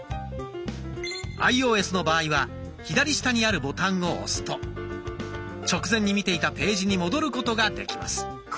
アイオーエスの場合は左下にあるボタンを押すと直前に見ていたページに戻ることができます。